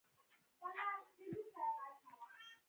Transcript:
غوږونه د نصیحت اورېدلو ته اړتیا لري